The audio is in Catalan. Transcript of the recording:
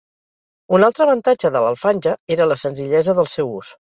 Un altre avantatge de l'alfange era la senzillesa del seu ús.